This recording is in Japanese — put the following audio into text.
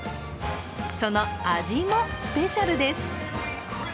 その味もスペシャルです。